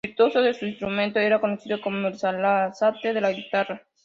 Virtuoso de su instrumento, era conocido como "el Sarasate de la guitarra".